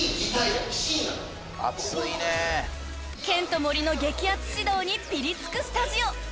［ケント・モリの激アツ指導にピリつくスタジオ］